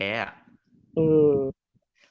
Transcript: เออ